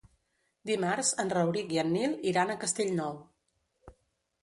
Dimarts en Rauric i en Nil iran a Castellnou.